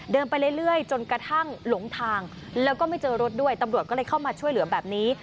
ไปเรื่อยจนกระทั่งหลงทางแล้วก็ไม่เจอรถด้วยตำรวจก็เลยเข้ามาช่วยเหลือแบบนี้